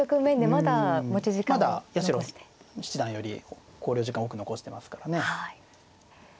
まだ八代七段より考慮時間多く残してますからね。